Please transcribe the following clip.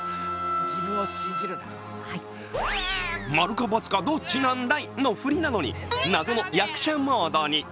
「○か×か、どっちなんだい！」の振りなのに謎の役者モードに。